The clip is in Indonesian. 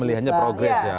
oh melihatnya progress ya